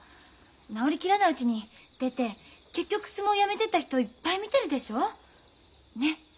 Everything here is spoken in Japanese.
治り切らないうちに出て結局相撲やめてった人いっぱい見てるでしょ？ね！